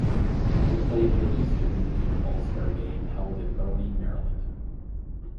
He played in the Eastern League all-star game held in Bowie, Maryland.